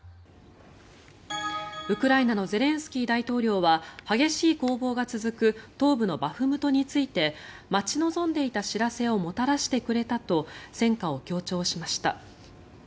ウクライナのゼレンスキー大統領は激しい攻防が続く東部のバフムトについて待ち望んでいた知らせをもたらしてくれたと戦果を強調しました。